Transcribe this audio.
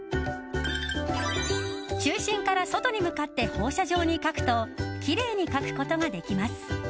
中心から外に向かって放射状に描くときれいに描くことができます。